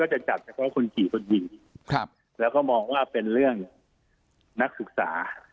คือจะจัดชีวิตคนก่อนครับแล้วก็มองว่าเป็นเรื่องนักศึกษา